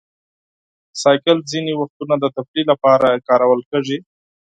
بایسکل ځینې وختونه د تفریح لپاره کارول کېږي.